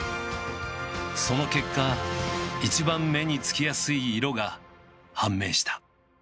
その結果一番目につきやすい色が判明した。